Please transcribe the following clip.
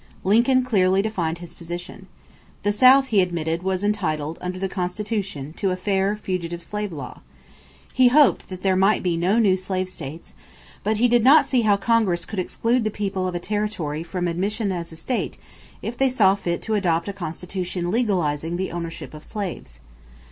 Lincoln clearly defined his position. The South, he admitted, was entitled under the Constitution to a fair, fugitive slave law. He hoped that there might be no new slave states; but he did not see how Congress could exclude the people of a territory from admission as a state if they saw fit to adopt a constitution legalizing the ownership of slaves.